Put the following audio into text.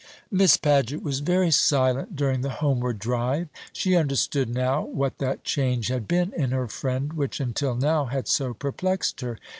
Miss Paget was very silent during the homeward drive. She understood now what that change had been in her friend which until now had so perplexed her.